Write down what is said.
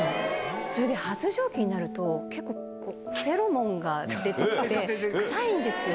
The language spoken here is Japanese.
それで発情期になると、結構、フェロモンが出てきて、臭いんですよ。